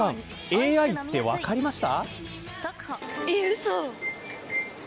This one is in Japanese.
ＡＩって分かりました。